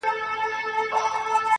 یوه خبره ده چې په دې حالت کې